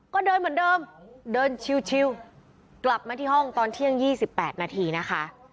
ก็เดินเหมือนเดิมเดินชิวกลับมาที่ห้องตอนเที่ยง๒๘นาทีนะคะ